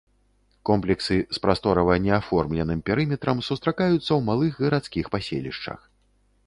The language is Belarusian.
Комплексы з прасторава не аформленым перыметрам сустракаюцца ў малых гарадскіх паселішчах.